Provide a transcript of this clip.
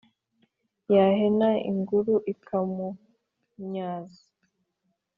yahena inruro :ikamunyaza :